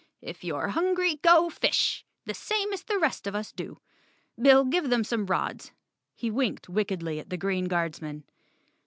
"If you're hungry, go fish, the same as the rest of us do. Bill, give them some rods." He winked wickedly at the green guardsman.